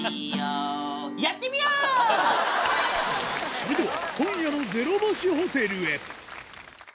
それでは